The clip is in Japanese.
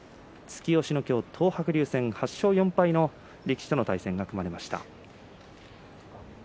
突き押しの東白龍戦。８勝４敗の力士との対戦が組まれました。